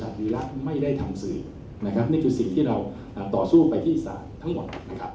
นี่คือสิ่งที่เราต่อสู้ไปที่อีสานทั้งหมด